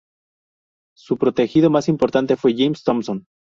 Su protegido más importante fue James Thomson.